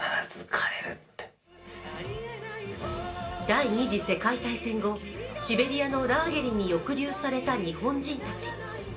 第二次世界大戦後、シベリアのラーゲリに抑留された日本人たち。